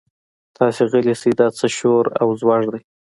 تاسې غلي شئ دا څه شور او ځوږ دی.